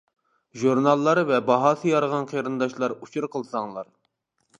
ژۇرناللار ۋە باھاسى يارىغان قېرىنداشلار ئۇچۇر قىلساڭلار.